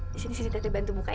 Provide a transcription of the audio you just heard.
di sini sini teteh bantu muka ya